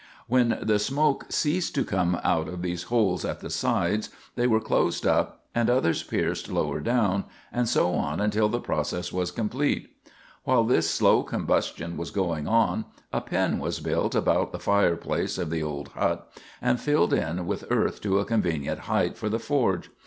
When the smoke ceased to come out of these holes at the sides, they were closed up and others pierced lower down, and so on until the process was complete. While this slow combustion was going on, a pen was built about the fireplace of the old hut and filled in with earth to a convenient height for the forge.